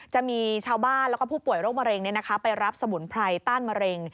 จะมีชาวบ้านแล้วก็ผู้ป่วยโรคมะเร็งไปรับสมุนไพรต้านมะเร็ง